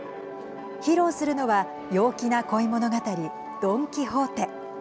披露するのは陽気な恋物語ドン・キホーテ。